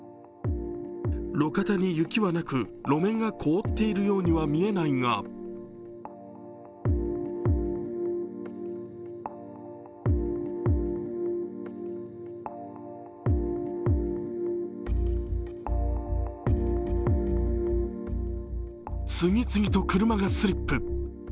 路肩に雪はなく、路面が凍っているようには見えないが次々と車がスリップ。